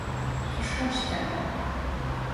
Şüşxeşta?